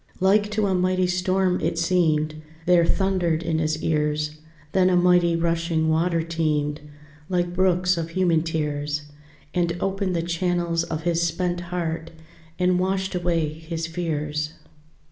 Like to a mighty storm it seemed, There thundered in his ears: Then a mighty rushing water teemed Like brooks of human tears, And opened the channels of his spent heart, And washed away his fears.